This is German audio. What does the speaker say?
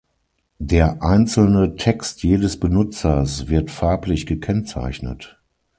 Der einzelne Text jedes Benutzers, wird farblich gekennzeichnet.